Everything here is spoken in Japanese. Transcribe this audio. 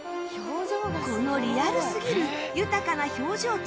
このリアルすぎる豊かな表情としぐさ